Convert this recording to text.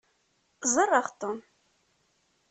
Ẓeṛṛeɣ Tom.